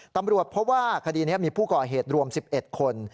ตำรวจพบว่าคดีนี้มีผู้ก่อเหตุรวม๑๑คน